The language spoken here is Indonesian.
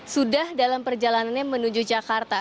sudah dalam perjalanannya menuju jakarta